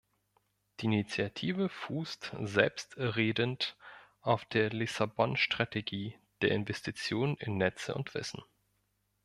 Die Initiative fußt selbstredend auf der Lissabon-Strategie der Investitionen in Netze und Wissen.